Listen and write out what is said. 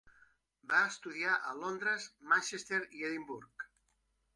Va estudiar a Londres, Manchester i Edimburg.